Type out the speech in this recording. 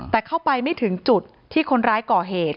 แต่เข้าไปไม่ถึงจุดที่คนร้ายก่อเหตุ